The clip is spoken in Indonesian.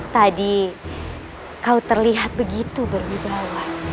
tadi kau terlihat begitu berwibawa